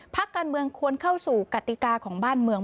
พักการเมืองควรเข้าสู่กติกาของบ้านเมือง